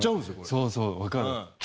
そうそうわかる。